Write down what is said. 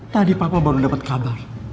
tadi papa baru dapat kabar